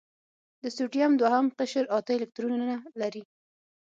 د سوډیم دوهم قشر اته الکترونونه لري.